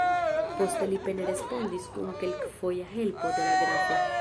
Poste li pene respondis kun kelkfoja helpo de la grafo.